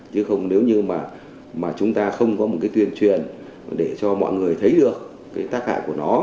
chứ không nếu như mà chúng ta không có một cái tuyên truyền để cho mọi người thấy được cái tác hại của nó